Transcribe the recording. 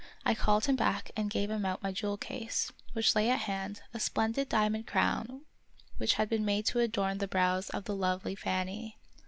I called him back and gave him out of my jewel case, which lay at hand, a splendid diamond crown which had been made to adorn the brows of the lovely Fanny